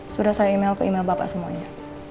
sudah saya email ke email bapak semuanya